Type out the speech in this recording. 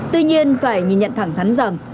tuy nhiên phải nhìn nhận thẳng thắn rằng